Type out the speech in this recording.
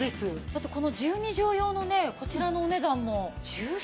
だってこの１２畳用のねこちらのお値段も１３万。